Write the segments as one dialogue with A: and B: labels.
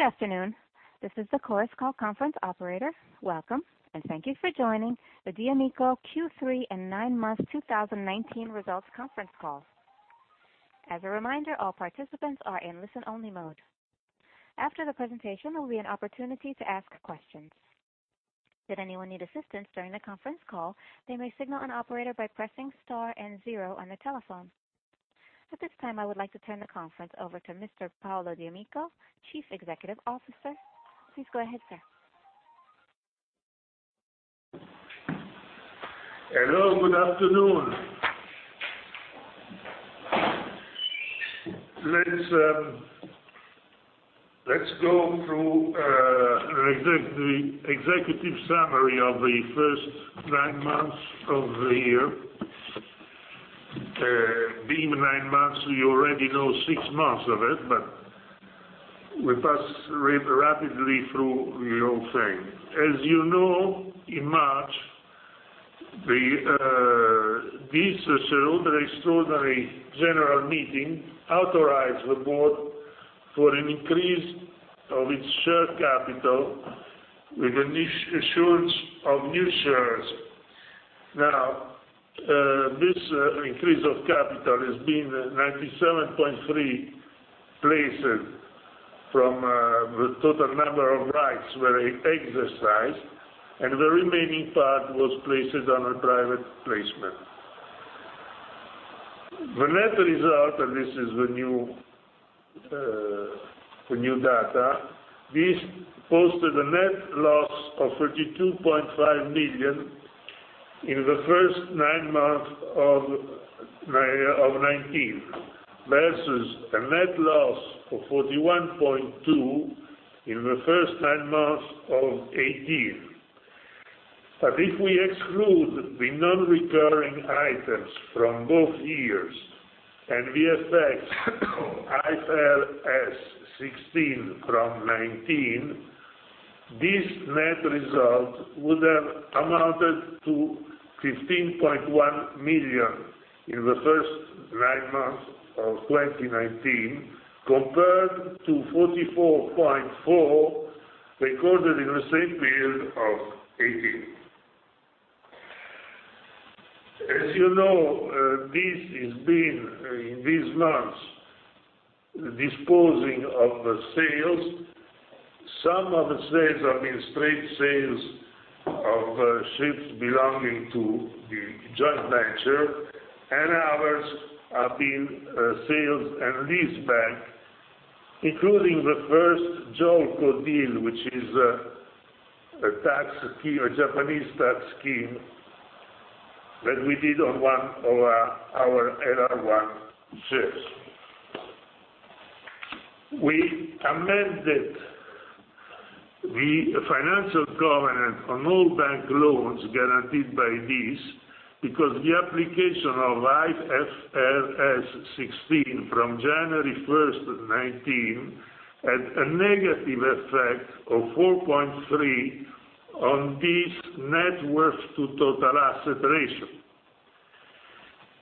A: Good afternoon. This is the Chorus Call conference operator. Welcome, thank you for joining the d'Amico Q3 and nine months 2019 results conference call. As a reminder, all participants are in listen-only mode. After the presentation, there will be an opportunity to ask questions. If anyone needs assistance during the conference call, they may signal an operator by pressing star and zero on their telephone. At this time, I would like to turn the conference over to Mr. Paolo d'Amico, Chief Executive Officer. Please go ahead, sir.
B: Hello, good afternoon. Let's go through the executive summary of the first nine months of the year. Being nine months, you already know six months of it, but we pass rapidly through the whole thing. As you know, in March, this extraordinary general meeting authorized the board for an increase of its share capital with the issuance of new shares. This increase of capital has been 97.3% placed from the total number of rights were exercised, and the remaining part was placed on a private placement. The net result, and this is the new data, this posted a net loss of $32.5 million in the first nine months of 2019 versus a net loss of $41.2 in the first nine months of 2018. If we exclude the non-recurring items from both years and the effects of IFRS 16 from 2019, this net result would have amounted to $15.1 million in the first nine months of 2019, compared to $44.4 million recorded in the same period of 2018. As you know, this has been, in these months, disposing of sales. Some of the sales have been straight sales of ships belonging to the joint venture, and others have been sale and leaseback, including the first JOLCO deal, which is a Japanese tax scheme that we did on one of our LR1 ships. We amended the financial covenant on all bank loans guaranteed by this because the application of IFRS 16 from January 1st of 2019, had a negative effect of 4.3 on this net worth to total asset ratio.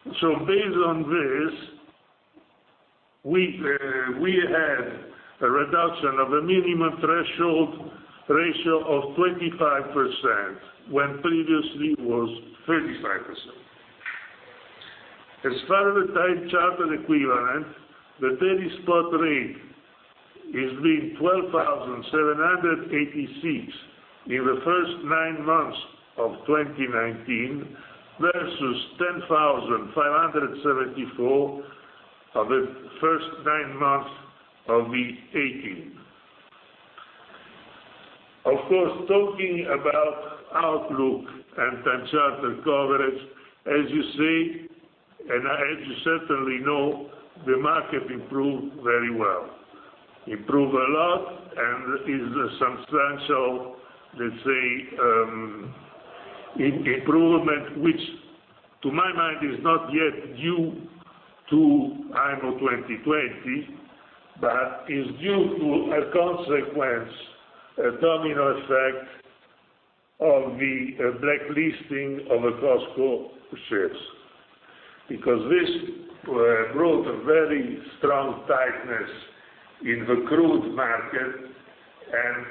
B: Based on this, we had a reduction of a minimum threshold ratio of 25%, when previously it was 35%. As far as the time charter equivalent, the daily spot rate has been $12,786 in the first nine months of 2019 versus $10,574 of the first nine months of 2018. Talking about outlook and time charter coverage, as you see, and as you certainly know, the market improved very well. Improved a lot, and is a substantial, let's say, improvement, which to my mind is not yet due to IMO 2020, but is due to a consequence, a domino effect of the blacklisting of the COSCO ships. This brought a very strong tightness in the crude market, and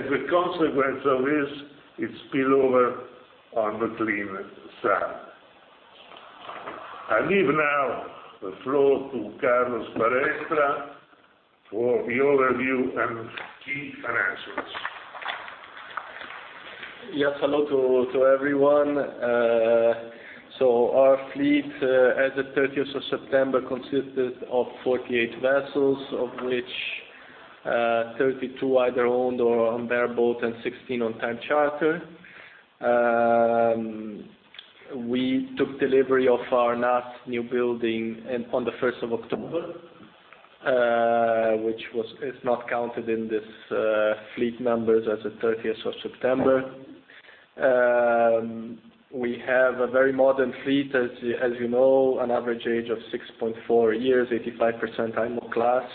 B: as a consequence of this, it spill over on the clean side. I leave now the floor to Carlos Balestra for the overview and key financials.
C: Yes, hello to everyone. Our fleet as of 30th of September consisted of 48 vessels, of which 32 either owned or on bareboat and 16 on time charter. We took delivery of our last new building on the 1st of October, which is not counted in these fleet numbers as of 30th of September. We have a very modern fleet, as you know, an average age of 6.4 years, 85% IMO class.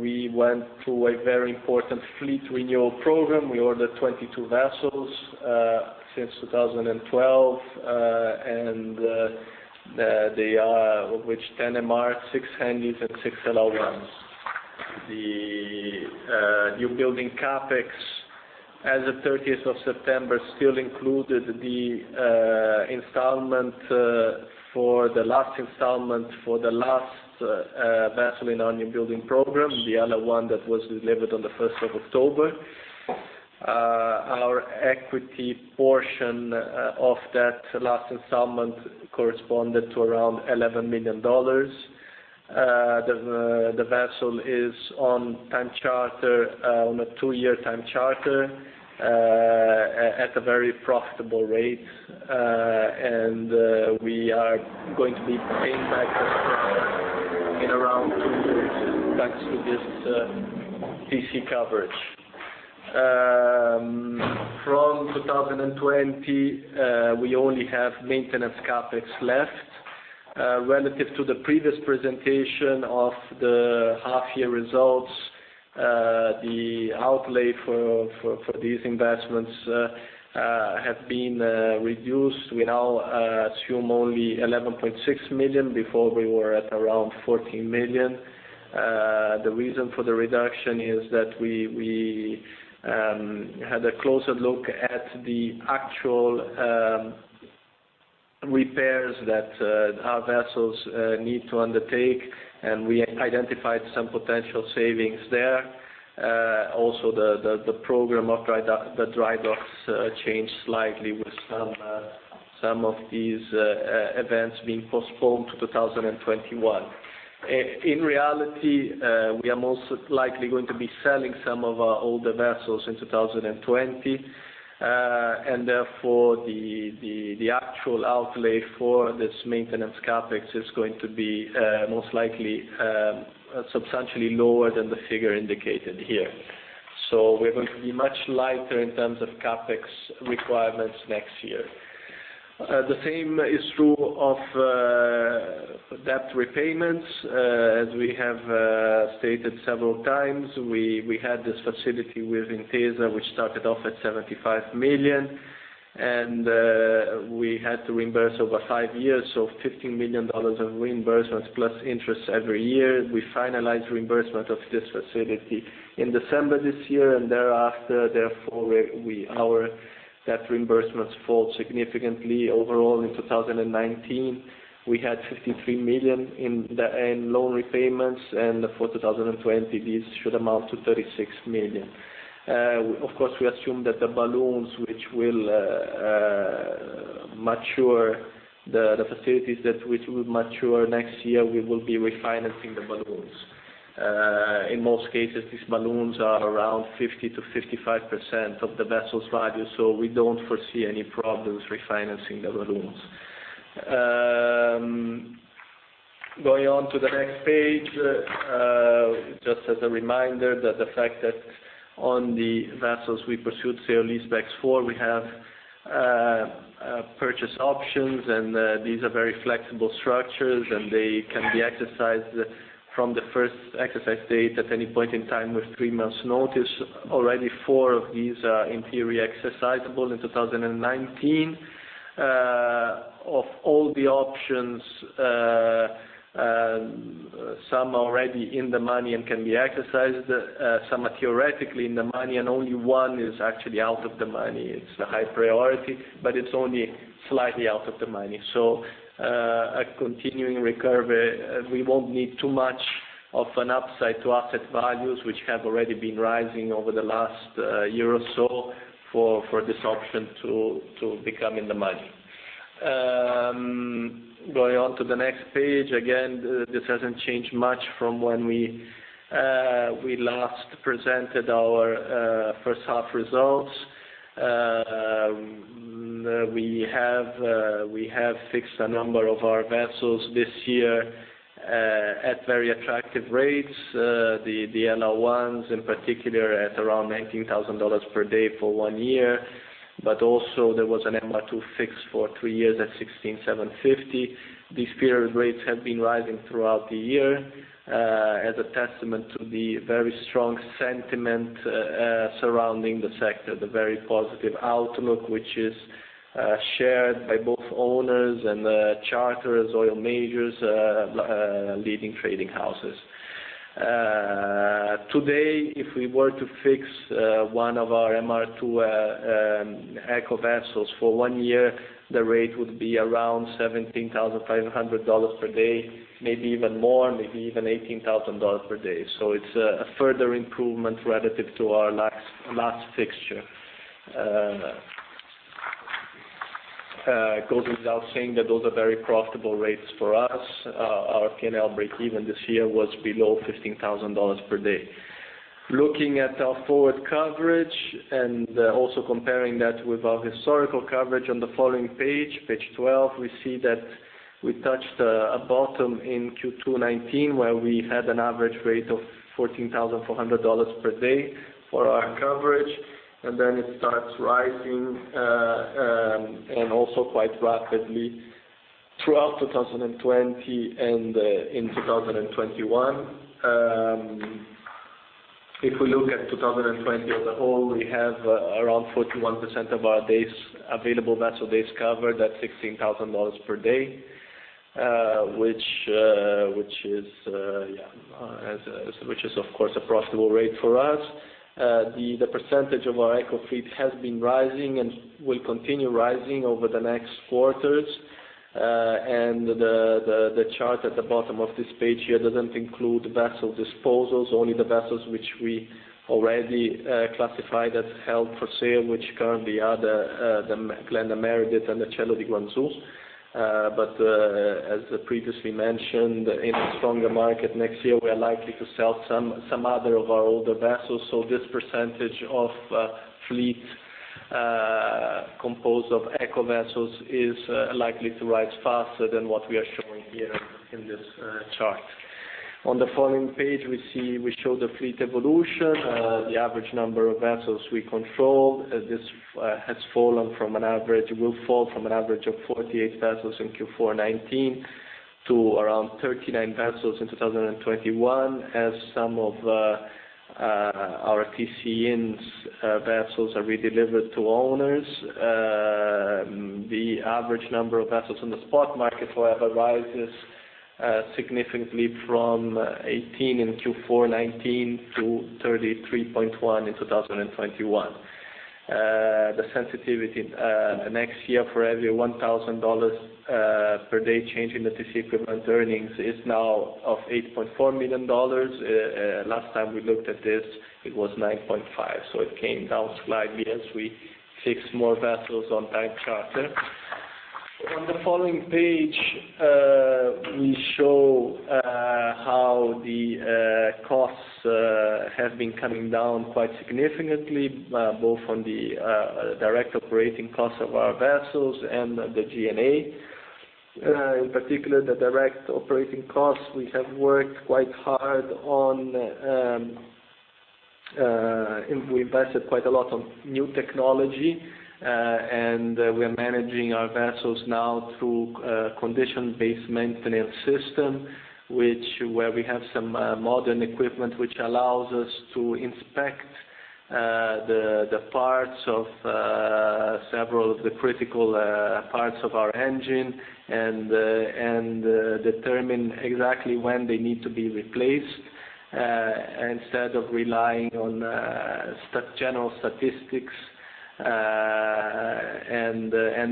C: We went through a very important fleet renewal program. We ordered 22 vessels since 2012, of which 10 MR, 6 Handys, and 6 LR1s. The new building CapEx as of 30th of September still included the last installment for the last vessel in our new building program, the other one that was delivered on the 1st of October. Our equity portion of that last installment corresponded to around $11 million. The vessel is on a two-year time charter at a very profitable rate. We are going to be paying back this in around two years, thanks to this TC coverage. From 2020, we only have maintenance CapEx left. Relative to the previous presentation of the half year results, the outlay for these investments have been reduced. We now assume only $11.6 million. Before we were at around $14 million. The reason for the reduction is that we had a closer look at the actual repairs that our vessels need to undertake, and we identified some potential savings there. The program of the dry docks changed slightly with some of these events being postponed to 2021. In reality, we are most likely going to be selling some of our older vessels in 2020. The actual outlay for this maintenance CapEx is going to be most likely substantially lower than the figure indicated here. We're going to be much lighter in terms of CapEx requirements next year. The same is true of debt repayments. We have stated several times, we had this facility with Intesa, which started off at $75 million, and we had to reimburse over 5 years, so $15 million of reimbursements plus interest every year. We finalized reimbursement of this facility in December this year, and thereafter therefore our debt reimbursements fall significantly. In 2019, we had $53 million in loan repayments, and for 2020, this should amount to $36 million. We assume that the balloons which will mature, the facilities that which will mature next year, we will be refinancing the balloons. In most cases, these balloons are around 50%-55% of the vessel's value, so we don't foresee any problems refinancing the balloons. Going on to the next page. Just as a reminder that the fact that on the vessels we pursued sale lease backs for, we have purchase options, and these are very flexible structures, and they can be exercised from the first exercise date at any point in time with three months notice. Already four of these are, in theory, exercisable in 2019. Of all the options, some are already in the money and can be exercised. Some are theoretically in the money, and only one is actually out of the money. It's a High Priority, but it's only slightly out of the money. A continuing recovery, we won't need too much of an upside to asset values, which have already been rising over the last year or so for this option to become in the money. Going on to the next page. Again, this hasn't changed much from when we last presented our first half results. We have fixed a number of our vessels this year at very attractive rates. The LR1s in particular at around $19,000 per day for one year. Also there was an MR2 fix for three years at $16,750. These period rates have been rising throughout the year as a testament to the very strong sentiment surrounding the sector, the very positive outlook, which is shared by both owners and charterers, oil majors, leading trading houses. Today, if we were to fix one of our MR2 ECO vessels for one year, the rate would be around $17,500 per day, maybe even more, maybe even $18,000 per day. It's a further improvement relative to our last fixture. It goes without saying that those are very profitable rates for us. Our P&L breakeven this year was below $15,000 per day. Looking at our forward coverage and also comparing that with our historical coverage on the following page 12, we see that we touched a bottom in Q2 2019, where we had an average rate of $14,400 per day for our coverage, and then it starts rising, and also quite rapidly throughout 2020 and in 2021. If we look at 2020 as a whole, we have around 41% of our days, available vessel days covered at $16,000 per day, which is of course, a profitable rate for us. The percentage of our ECO fleet has been rising and will continue rising over the next quarters. The chart at the bottom of this page here doesn't include vessel disposals, only the vessels which we already classified as held for sale, which currently are the Glenda Meredith and the Cielo di Guangzhou. As previously mentioned, in a stronger market next year, we are likely to sell some other of our older vessels. This percentage of fleet composed of ECO vessels is likely to rise faster than what we are showing here in this chart. On the following page, we show the fleet evolution, the average number of vessels we control. This will fall from an average of 48 vessels in Q4 '19 to around 39 vessels in 2021, as some of our TC-in vessels are redelivered to owners. The average number of vessels in the spot market, however, rises significantly from 18 in Q4 2019 to 33.1 in 2021. The sensitivity next year for every $1,000 per day change in the TC equivalent earnings is now of $8.4 million. Last time we looked at this, it was $9.5. It came down slightly as we fixed more vessels on time charter. On the following page, we show how the costs have been coming down quite significantly, both on the direct operating costs of our vessels and the G&A. In particular, the direct operating costs we have worked quite hard on, and we invested quite a lot on new technology, and we are managing our vessels now through a condition-based maintenance system, where we have some modern equipment which allows us to inspect several of the critical parts of our engine and determine exactly when they need to be replaced instead of relying on general statistics.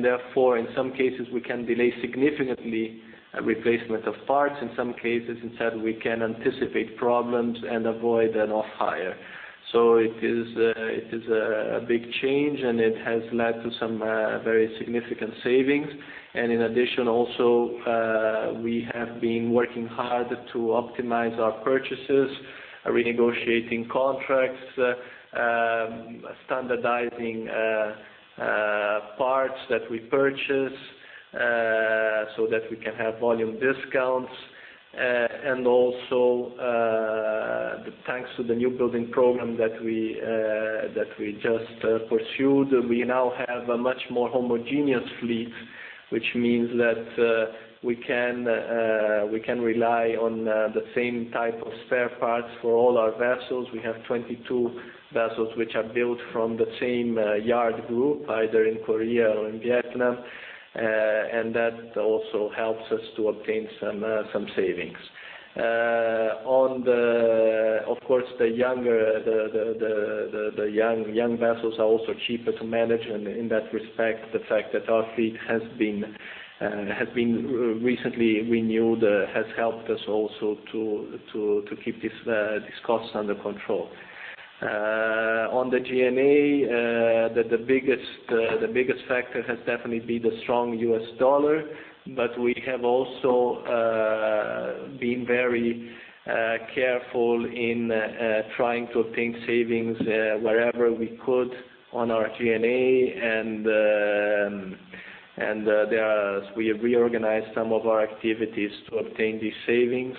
C: Therefore, in some cases, we can delay significantly replacement of parts. In some cases, instead, we can anticipate problems and avoid an off-hire. It is a big change, and it has led to some very significant savings. In addition, also, we have been working hard to optimize our purchases, renegotiating contracts, standardizing parts that we purchase so that we can have volume discounts. Thanks to the new building program that we just pursued, we now have a much more homogeneous fleet, which means that we can rely on the same type of spare parts for all our vessels. We have 22 vessels which are built from the same yard group, either in Korea or in Vietnam. That also helps us to obtain some savings. Of course, the young vessels are also cheaper to manage in that respect. The fact that our fleet has been recently renewed has helped us also to keep these costs under control. On the G&A, the biggest factor has definitely been the strong US dollar, but we have also been very careful in trying to obtain savings wherever we could on our G&A. We have reorganized some of our activities to obtain these savings.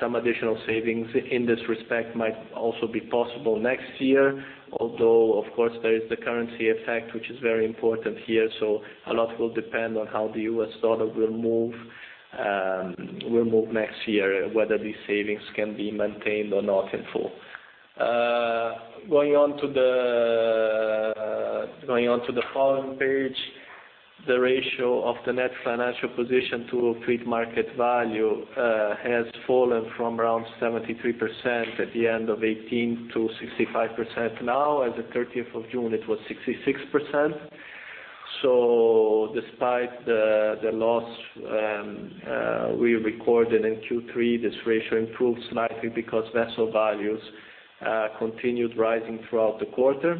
C: Some additional savings in this respect might also be possible next year, although, of course, there is the currency effect, which is very important here. A lot will depend on how the US dollar will move next year, whether these savings can be maintained or not in full. Going on to the following page, the ratio of the net financial position to fleet market value has fallen from around 73% at the end of 2018 to 65%. Now, as of 30th of June, it was 66%. Despite the loss we recorded in Q3, this ratio improved slightly because vessel values continued rising throughout the quarter.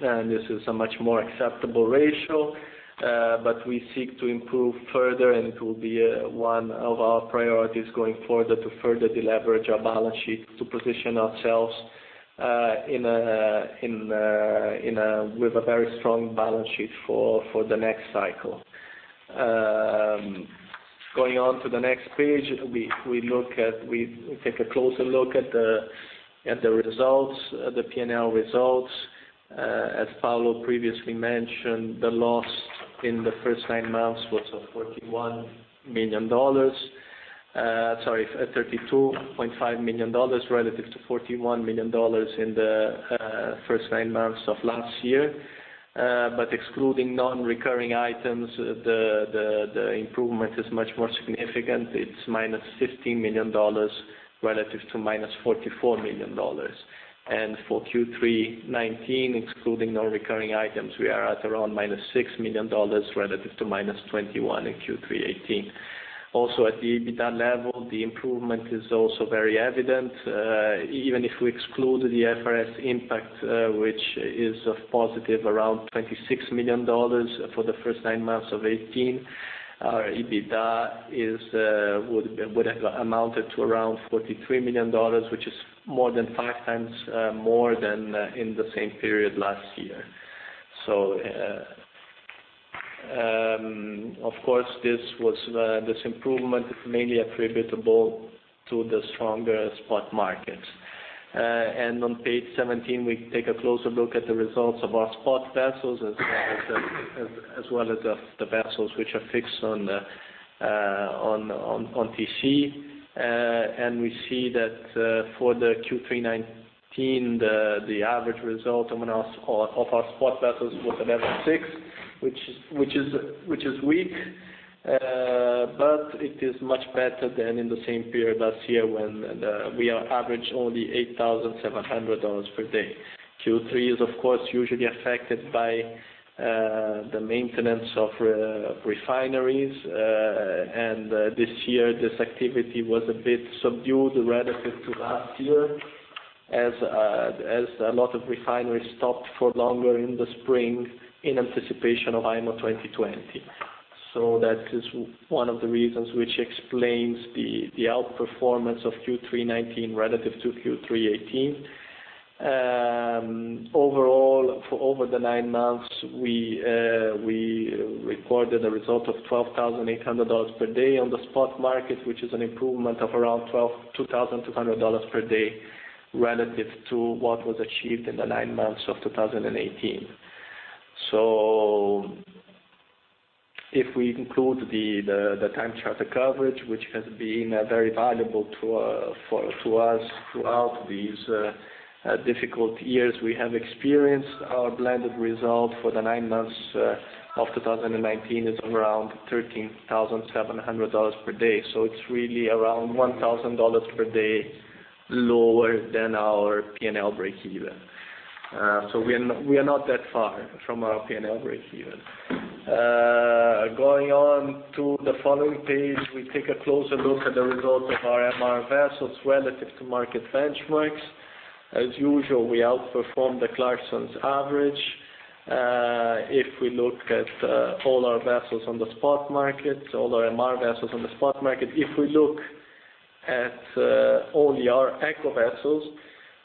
C: This is a much more acceptable ratio, but we seek to improve further, and it will be one of our priorities going further to further deleverage our balance sheet to position ourselves with a very strong balance sheet for the next cycle. Going on to the next page, we take a closer look at the P&L results. As Paolo previously mentioned, the loss in the first 9 months was of $32.5 million relative to $41 million in the first 9 months of last year. Excluding non-recurring items, the improvement is much more significant. It's minus $15 million relative to minus $44 million. For Q3 2019, excluding non-recurring items, we are at around minus $6 million relative to minus $21 million in Q3 2018. Also at the EBITDA level, the improvement is also very evident. Even if we exclude the IFRS impact, which is of positive $26 million for the first nine months of 2018, our EBITDA would have amounted to $43 million, which is more than five times more than in the same period last year. Of course, this improvement is mainly attributable to the stronger spot markets. On page 17, we take a closer look at the results of our spot vessels as well as the vessels which are fixed on TC. We see that for the Q3 2019, the average result of our spot vessels was $11,600, which is weak. It is much better than in the same period last year when we averaged only $8,700 per day. Q3 is, of course, usually affected by the maintenance of refineries. This year, this activity was a bit subdued relative to last year, as a lot of refineries stopped for longer in the spring in anticipation of IMO 2020. That is one of the reasons which explains the outperformance of Q3 '19 relative to Q3 '18. Overall, for over the nine months, we recorded a result of $12,800 per day on the spot market, which is an improvement of around $2,200 per day relative to what was achieved in the nine months of 2018. If we include the time charter coverage, which has been very valuable to us throughout these difficult years we have experienced, our blended result for the nine months of 2019 is around $13,700 per day. It's really around $1,000 per day lower than our P&L breakeven. We are not that far from our P&L breakeven. Going on to the following page, we take a closer look at the result of our MR vessels relative to market benchmarks. As usual, we outperformed the Clarksons average. If we look at all our MR vessels on the spot market, if we look at only our ECO vessels,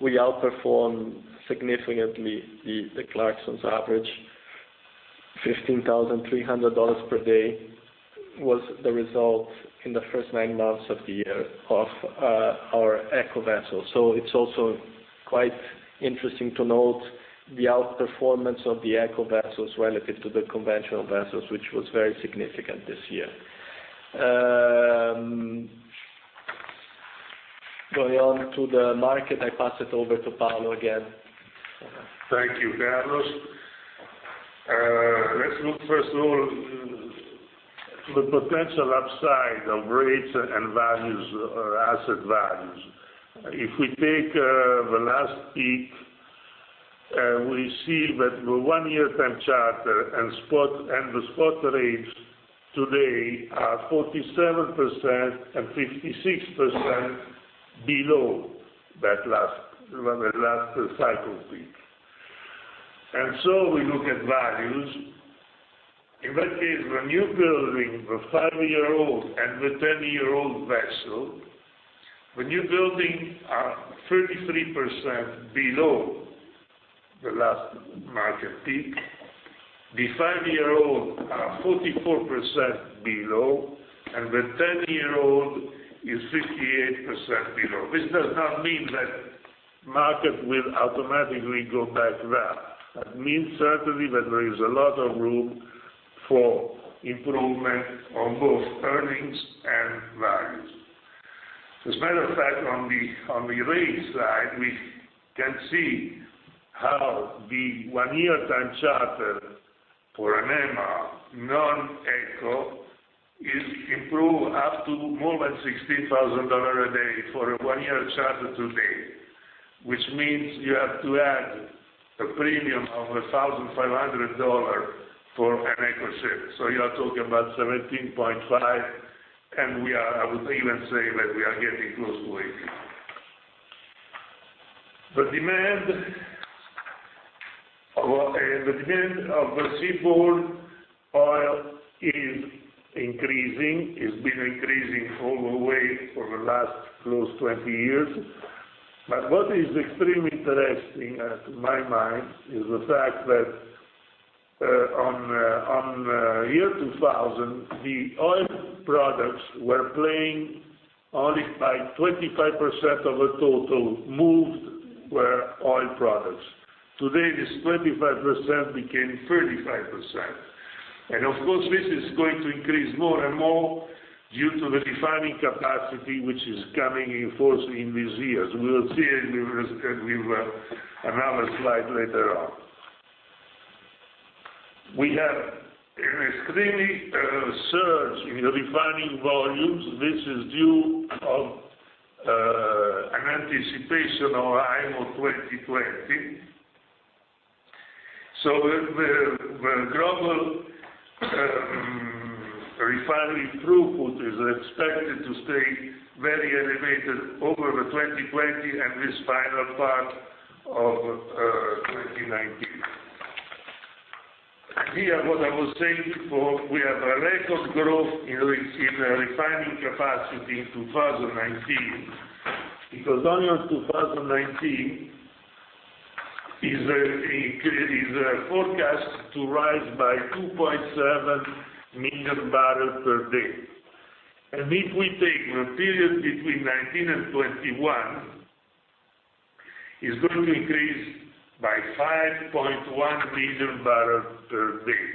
C: we outperformed significantly the Clarksons average, $15,300 per day was the result in the first nine months of the year of our ECO vessels. It's also quite interesting to note the outperformance of the ECO vessels relative to the conventional vessels, which was very significant this year. Going on to the market, I pass it over to Paolo again.
B: Thank you, Carlos. Let's look first of all to the potential upside of rates and asset values. If we take the last peak, we see that the one-year time charter and the spot rates today are 47% and 56% below that last cycle peak. We look at values. In that case, the new building, the five-year-old, and the 10-year-old vessel, the new building are 33% below the last market peak. The five-year-old are 44% below, the 10-year-old is 58% below. This does not mean that market will automatically go back there. That means certainly that there is a lot of room for improvement on both earnings and values. As a matter of fact, on the rate slide, we can see how the one-year time charter for an MR non-ECO is improved up to more than $16,000 a day for a one-year charter today, which means you have to add a premium of $1,500 for an ECO ship. You are talking about $17,500, and I would even say that we are getting close to $18,000. The demand of the seaborne oil is increasing. It's been increasing all the way for the last close to 20 years. What is extremely interesting to my mind is the fact that on the year 2000, the oil products were playing only by 25% of the total moved were oil products. Today, this 25% became 35%. Of course, this is going to increase more and more due to the refining capacity, which is coming in force in these years. We will see with another slide later on. We have an extremely surge in refining volumes, which is due of an anticipation of IMO 2020. The global refining throughput is expected to stay very elevated over the 2020 and this final part of 2019. Here, what I was saying before, we have a record growth in refining capacity in 2019. Only on 2019, is a forecast to rise by 2.7 million barrels per day. If we take the period between 2019 and 2021, is going to increase by 5.1 million barrels per day.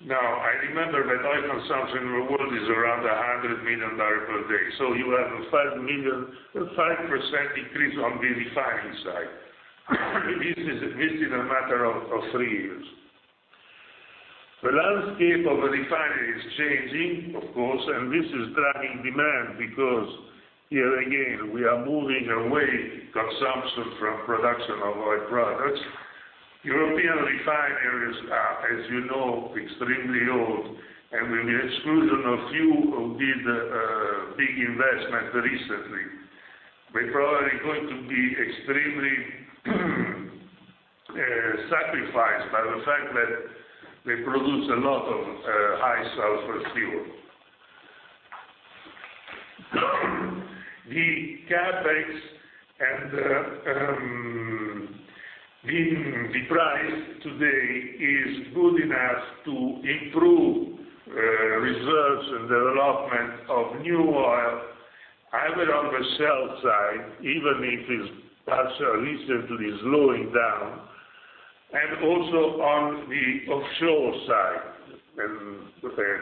B: Now, I remember that oil consumption in the world is around 100 million barrels per day. You have 5% increase on the refining side. This is a matter of three years. The landscape of the refinery is changing, of course, and this is driving demand because, here again, we are moving away consumption from production of oil products. European refineries are, as you know, extremely old, and with the exclusion of few who did a big investment recently. They probably going to be extremely sacrificed by the fact that they produce a lot of high sulfur fuel. The CapEx and the price today is good enough to improve reserves and development of new oil, either on the shell side, even if it's partially recently slowing down, and also on the offshore side.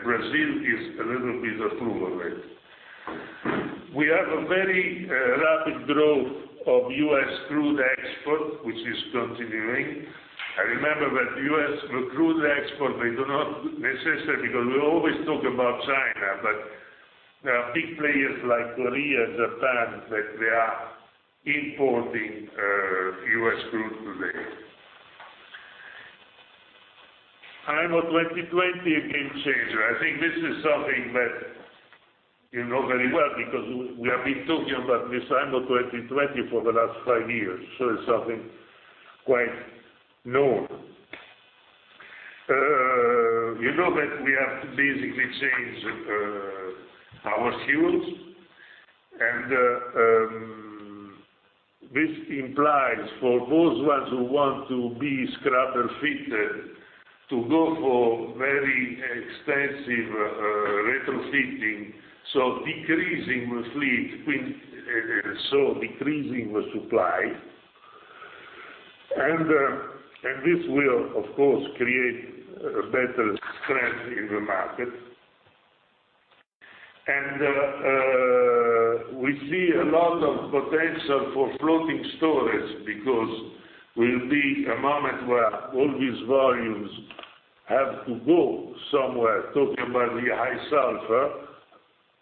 B: Brazil is a little bit a proof of it. We have a very rapid growth of U.S. crude export, which is continuing. I remember that U.S. crude export, they do not necessarily, because we always talk about China, but there are big players like Korea, Japan, that they are importing U.S. crude today. IMO 2020, a game changer. I think this is something that you know very well because we have been talking about this IMO 2020 for the last five years. It's something quite known. You know that we have to basically change our fuels, and this implies for those ones who want to be scrubber fitted to go for very extensive retrofitting, decreasing the fleet, decreasing the supply. This will, of course, create a better strength in the market. We see a lot of potential for floating storage because will be a moment where all these volumes have to go somewhere, talking about the high sulfur.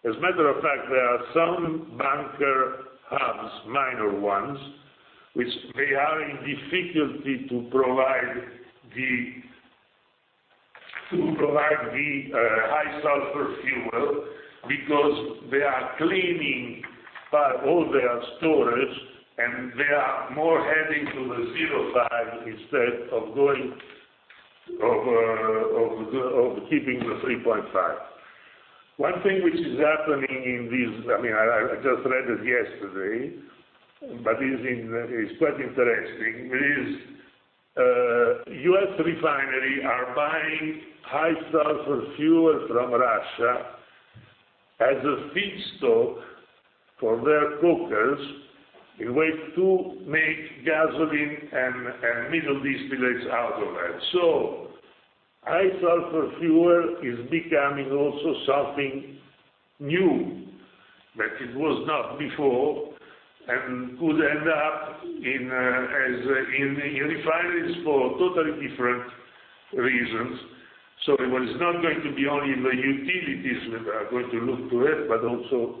B: As a matter of fact, there are some bunker hubs, minor ones, which they are in difficulty to provide the high sulfur fuel because they are cleaning all their storage, and they are more heading to the 0.5% instead of keeping the 3.5%. One thing which is happening in this, I just read it yesterday, but it's quite interesting, is U.S. refinery are buying high sulfur fuel from Russia as a feedstock for their cokers in way to make gasoline and middle distillates out of it. High sulfur fuel is becoming also something new that it was not before and could end up in refineries for totally different reasons. It is not going to be only the utilities that are going to look to it, but also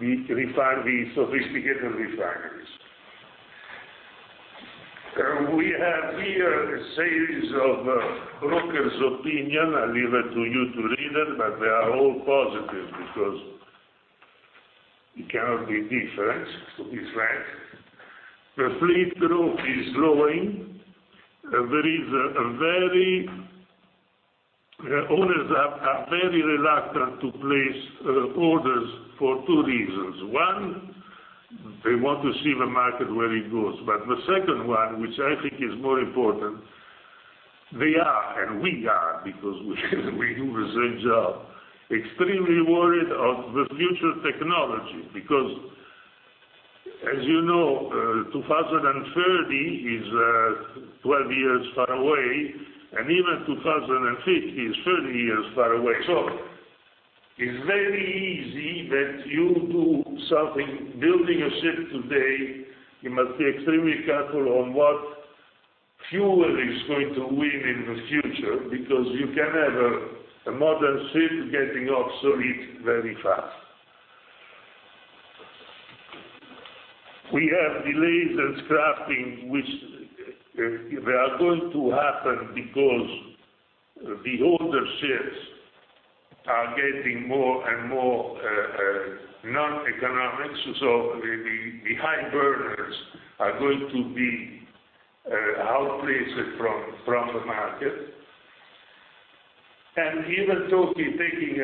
B: the sophisticated refineries. We have here a series of brokers' opinion. I leave it to you to read it. They are all positive because it cannot be different, to be frank. The fleet growth is growing. The owners are very reluctant to place orders for two reasons. One, they want to see the market, where it goes. The second one, which I think is more important, they are, and we are, because we do the same job, extremely worried of the future technology, because as you know, 2030 is 12 years far away, and even 2050 is 30 years far away. It's very easy that you do something, building a ship today, you must be extremely careful on what fuel is going to win in the future, because you can have a modern ship getting obsolete very fast. We have delays in scrapping, which they are going to happen because the older ships are getting more and more non-economic, so the high burners are going to be outplaced from the market. Even totally taking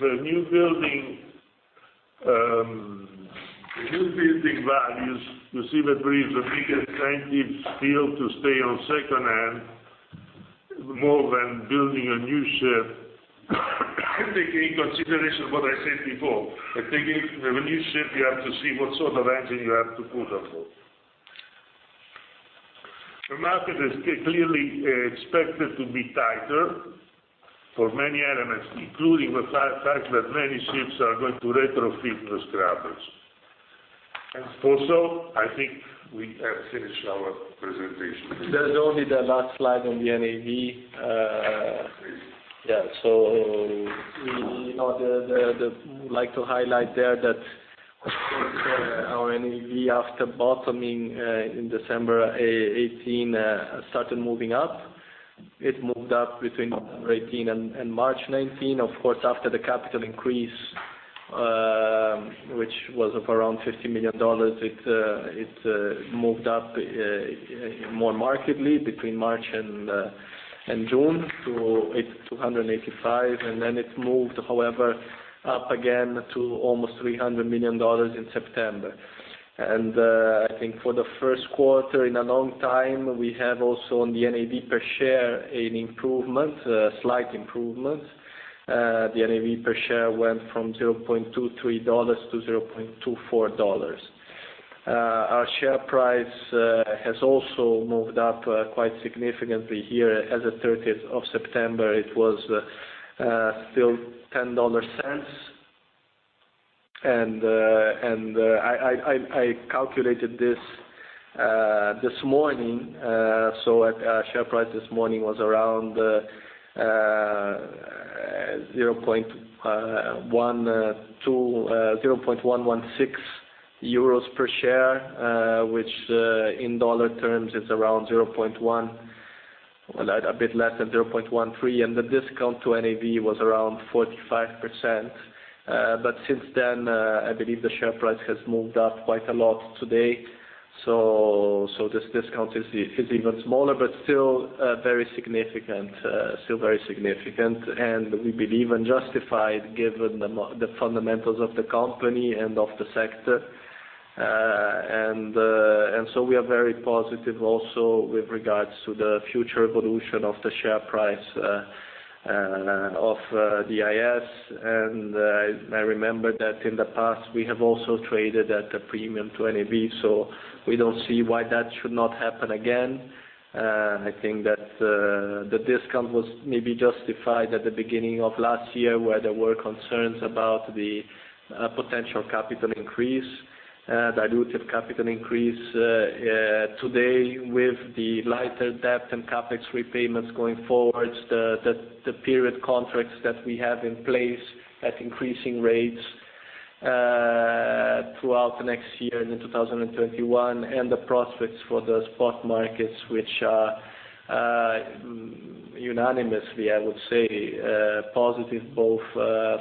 B: the new building values, you see that there is a bigger incentive still to stay on secondhand more than building a new ship, taking into consideration what I said before. That taking the new ship, you have to see what sort of engine you have to put on board. The market is clearly expected to be tighter for many elements, including the fact that many ships are going to retrofit the scrubbers. Also, I think we have finished our presentation.
C: There's only the last slide on the NAV.
B: Please.
C: We like to highlight there that, of course, our NAV after bottoming in December 2018, started moving up. It moved up between November 2018 and March 2019. Of course, after the capital increase, which was of around $50 million, it moved up more markedly between March and June to $285 million. It moved, however, up again to almost $300 million in September. I think for the first quarter in a long time, we have also on the NAV per share an improvement, a slight improvement. The NAV per share went from $0.23 to $0.24. Our share price has also moved up quite significantly here. As of 30th of September, it was still $0.10. I calculated this morning, our share price this morning was around €0.116 per share, which, in dollar terms is around a bit less than $0.13. The discount to NAV was around 45%. Since then, I believe the share price has moved up quite a lot today. This discount is even smaller, but still very significant. We believe unjustified given the fundamentals of the company and of the sector. We are very positive also with regards to the future evolution of the share price of the DIS. I remember that in the past, we have also traded at a premium to NAV, so we don't see why that should not happen again. I think that the discount was maybe justified at the beginning of last year where there were concerns about the potential capital increase, dilutive capital increase. Today, with the lighter debt and CapEx repayments going forward, the period contracts that we have in place at increasing rates throughout next year and in 2021, the prospects for the spot markets, which are unanimously, I would say, positive, both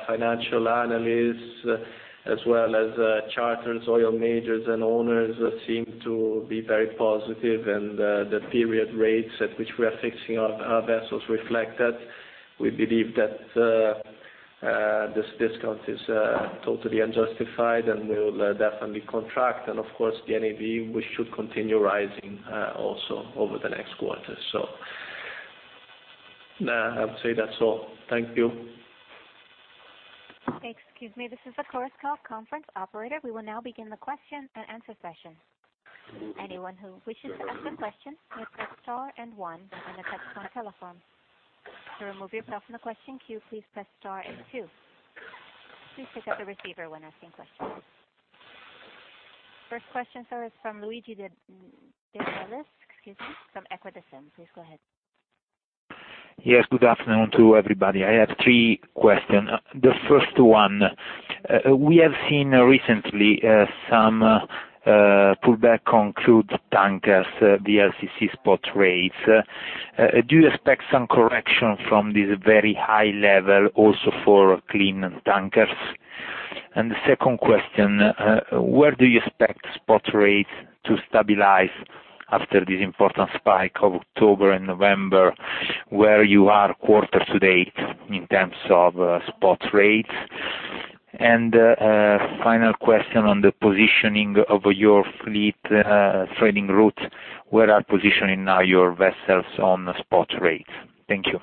C: financial analysts as well as charters, oil majors, and owners seem to be very positive. The period rates at which we are fixing our vessels reflect that. We believe that this discount is totally unjustified and will definitely contract. Of course, the NAV, we should continue rising, also over the next quarter. I would say that's all. Thank you.
A: Excuse me. This is the Chorus Call conference operator. We will now begin the question and answer session. Anyone who wishes to ask a question, may press star and one on the touchtone telephone. To remove yourself from the question queue, please press star and two. Please pick up the receiver when asking questions. First question, sir, is from Luigi De Bellis, excuse me, from Equita SIM. Please go ahead.
D: Yes. Good afternoon to everybody. I have three questions. The first one, we have seen recently some pullback on crude tankers, the VLCC spot rates. Do you expect some correction from this very high level also for clean tankers? The second question, where do you expect spot rates to stabilize after this important spike of October and November? Where you are quarter to date in terms of spot rates? Final question on the positioning of your fleet trading route. Where are positioning now your vessels on the spot rates? Thank you.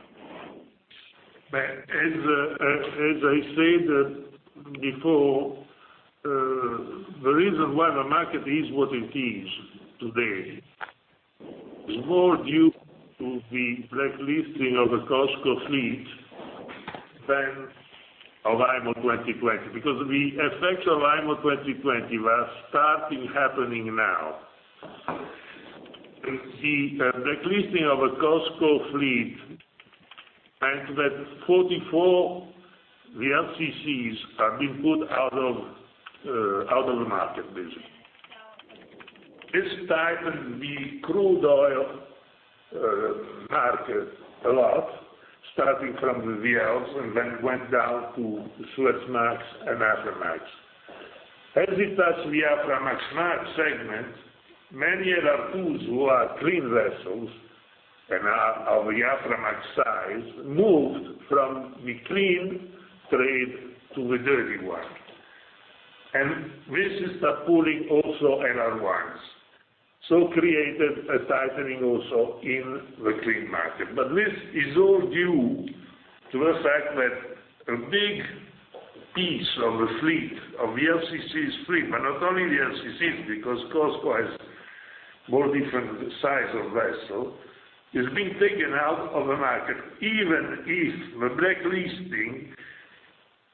B: As I said before, the reason why the market is what it is today is more due to the blacklisting of the COSCO fleet than of IMO 2020, because the effects of IMO 2020 were starting happening now. The blacklisting of the COSCO fleet and that 44 VLCCs have been put out of the market, basically. This tightened the crude oil market a lot, starting from the VLs and then went down to Suezmax and Aframax. As it touched the Aframax segment, many LR2s who are clean vessels and are of the Aframax size, moved from the clean trade to the dirty one. This start pulling also LR1s, created a tightening also in the clean market. This is all due to the fact that a big piece of the fleet, of VLCCs fleet, but not only the VLCCs because COSCO has more different size of vessel, is being taken out of the market. Even if the blacklisting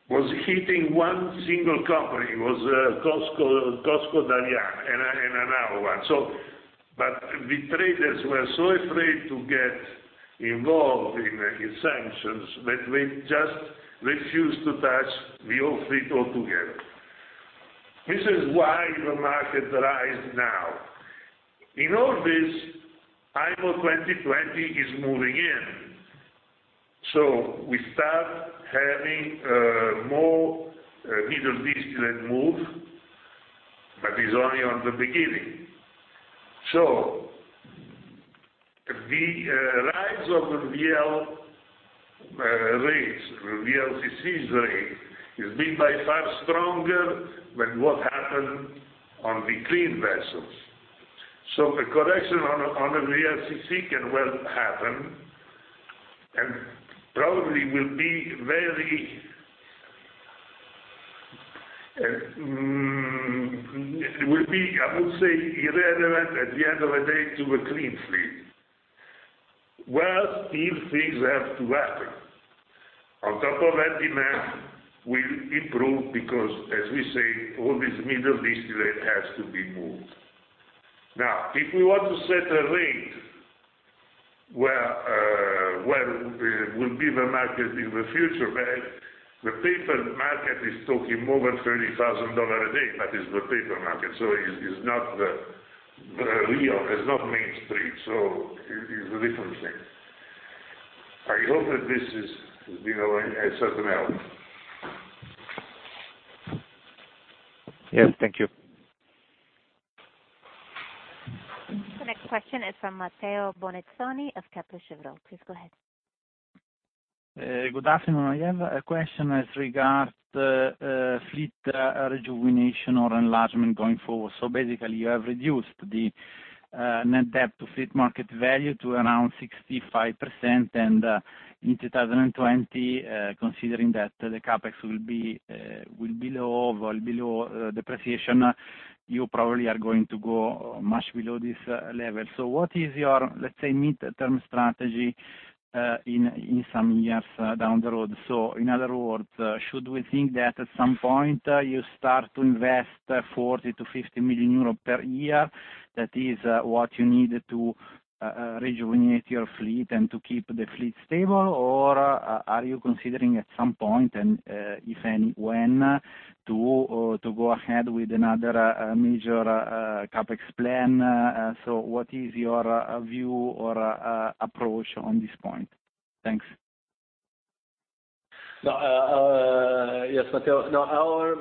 B: was hitting one single company, it was COSCO Dalian and another one. The traders were so afraid to get involved in sanctions that they just refused to touch the whole fleet altogether. This is why the market rise now. In all this, IMO 2020 is moving in. We start having more Middle East crude move, but is only on the beginning. The rise of the VL rates, the VLCCs rate, is being by far stronger than what happened on the clean vessels. The correction on the VLCC can well happen and probably will be, I would say, irrelevant at the end of the day to a clean fleet. Well, still things have to happen. On top of that, demand will improve because, as we say, all this Middle East crude has to be moved. Now, if we want to set a rate where will be the market in the future, the paper market is talking more than $30,000 a day. That is the paper market. It is not mainstream. It is a different thing. I hope that this has been of some help.
D: Yes. Thank you.
A: The next question is from Matteo Bonizzoni of Kepler Cheuvreux. Please go ahead.
E: Good afternoon. I have a question as regard fleet rejuvenation or enlargement going forward. Basically you have reduced the net debt to fleet market value to around 65%, and in 2020 considering that the CapEx will be well below depreciation, you probably are going to go much below this level. What is your, let's say, midterm strategy in some years down the road? In other words, should we think that at some point you start to invest 40 million-50 million euro per year? That is what you need to rejuvenate your fleet and to keep the fleet stable? Or are you considering at some point, and if and when, to go ahead with another major CapEx plan? What is your view or approach on this point? Thanks.
C: Yes, Matteo.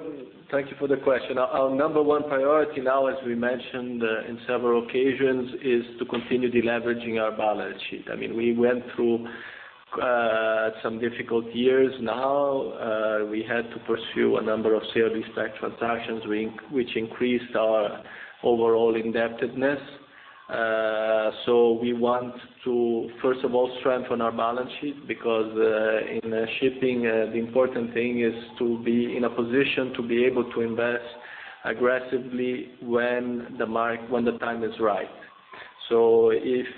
C: Thank you for the question. Our number one priority now, as we mentioned in several occasions, is to continue deleveraging our balance sheet. We went through some difficult years now. We had to pursue a number of sale leaseback transactions, which increased our overall indebtedness. We want to, first of all, strengthen our balance sheet because in shipping, the important thing is to be in a position to be able to invest aggressively when the time is right.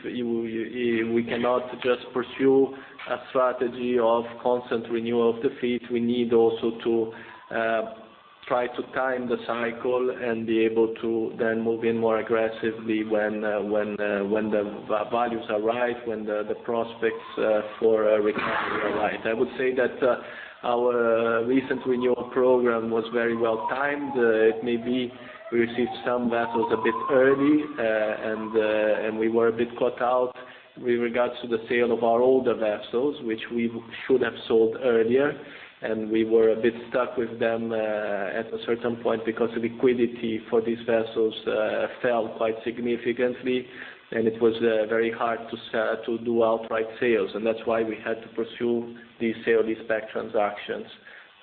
C: We cannot just pursue a strategy of constant renewal of the fleet. We need also to try to time the cycle and be able to then move in more aggressively when the values are right, when the prospects for recovery are right. I would say that our recent renewal program was very well timed. It may be we received some vessels a bit early, and we were a bit caught out with regards to the sale of our older vessels, which we should have sold earlier. We were a bit stuck with them at a certain point because the liquidity for these vessels fell quite significantly, and it was very hard to do outright sales. That's why we had to pursue the sale and lease-back transactions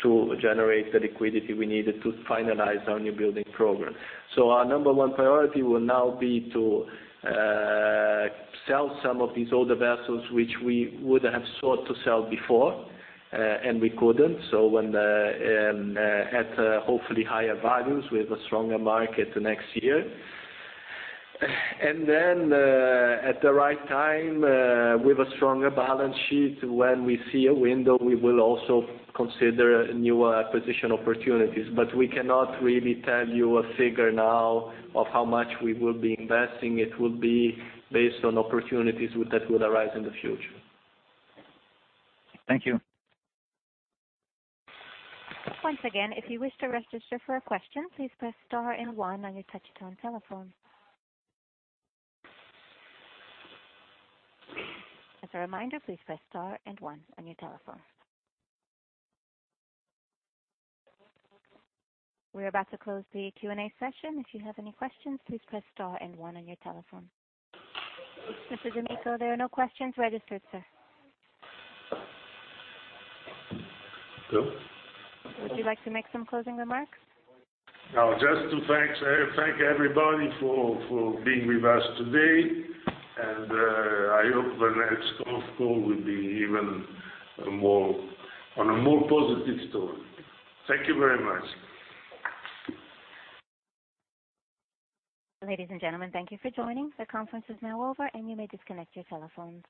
C: to generate the liquidity we needed to finalize our new building program. Our number one priority will now be to sell some of these older vessels, which we would have sought to sell before, and we couldn't, at hopefully higher values with a stronger market next year. At the right time, with a stronger balance sheet, when we see a window, we will also consider new acquisition opportunities. We cannot really tell you a figure now of how much we will be investing. It will be based on opportunities that would arise in the future.
E: Thank you.
A: Once again, if you wish to register for a question, please press star and one on your touch-tone telephone. As a reminder, please press star and one on your telephone. We're about to close the Q&A session. If you have any questions, please press star and one on your telephone. Mr. d'Amico, there are no questions registered, sir.
B: Good.
A: Would you like to make some closing remarks?
B: Just to thank everybody for being with us today, and I hope the next call will be even on a more positive tone. Thank you very much.
A: Ladies and gentlemen, thank you for joining. The conference is now over, and you may disconnect your telephones.